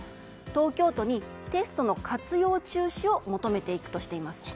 東京都にテストの活用中止を求めていくとしています。